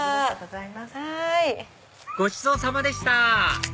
ごちそうさまでした！